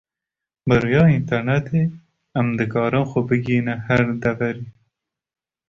Bi rêya internêtê em dikarin xwe bigihînin her deverê.